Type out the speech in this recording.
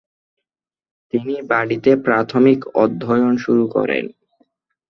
তিনি বাড়িতে প্রাথমিক অধ্যয়ন শুরু করেন।